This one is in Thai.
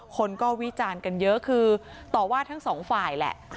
คนก็วิจารณ์กันเยอะคือต่อว่าทั้งสองฝ่ายแหละ